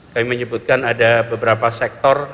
kami menyebutkan ada beberapa sektor